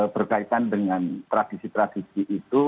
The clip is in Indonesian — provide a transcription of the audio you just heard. berkaitan dengan tradisi tradisi itu